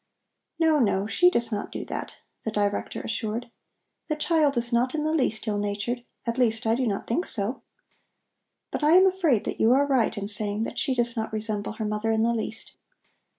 "No, no, she does not do that," the Director assured "The child is not in the least ill natured, at least, I do not think so. But I am afraid that you are right in saying that she does not resemble her mother in the least.